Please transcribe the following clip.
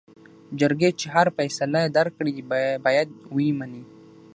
جرګې چې هر څه فيصله درکړې بايد وې منې.